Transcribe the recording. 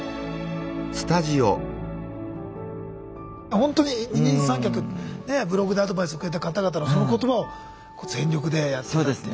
ほんとに二人三脚ブログでアドバイスをくれた方々のその言葉を全力でやっていったというね。